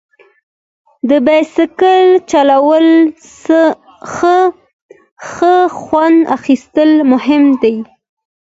د بایسکل چلولو څخه خوند اخیستل مهم دي.